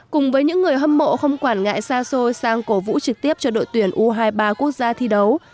cùng với những người hâm mộ không quản ngại xa xôi sang cổ vũ trực tiếp cho đội tuyển u hai mươi ba quốc gia thi đấu